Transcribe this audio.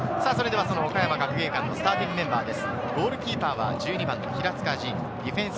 岡山学芸館のスターティングメンバーです。